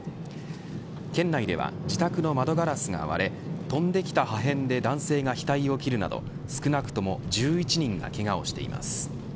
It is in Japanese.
県内では、自宅の窓ガラスが割れ飛んできた破片で男性が額を切るなど少なくとも１１人がけがをしています。